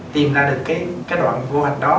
tìm ra được đoạn vô hành đó